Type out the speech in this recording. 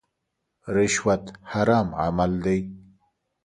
رشوت حرام عمل دی.